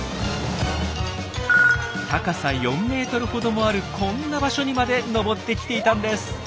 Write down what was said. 高さ４ｍほどもあるこんな場所にまで登ってきていたんです。